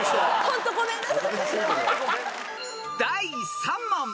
［第３問］